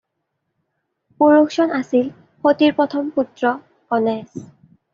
পুৰুষজন আছিল সতীৰ প্ৰথম পুত্ৰ গণেশ।